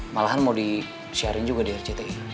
malahan mau disiarin juga di rcti